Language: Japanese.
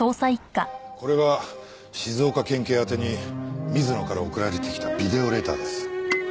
これが静岡県警宛てに水野から送られてきたビデオレターです。